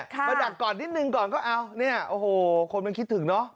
มาดักก่อนนิดหนึ่งก็เอาโอ้โหคนก็คิดถึงเนอะ